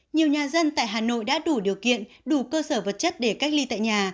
nhiều nhà dân tại hà nội đã đủ điều kiện đủ cơ sở vật chất để cách ly tại nhà